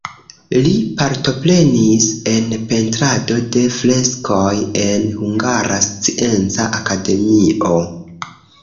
Li partoprenis en pentrado de freskoj en Hungara Scienca Akademio.